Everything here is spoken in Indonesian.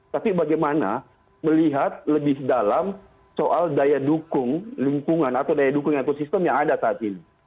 tapi bagaimana melihat lebih dalam soal daya dukung lingkungan atau daya dukung ekosistem yang ada saat ini